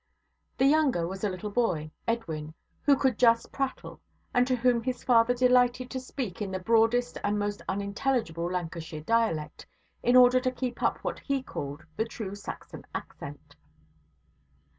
The younger was a little boy, Edwin, who could just prattle, and to whom his father delighted to speak in the broadest and most unintelligible Lancashire dialect, in order to keep up what he called the true Saxon accent.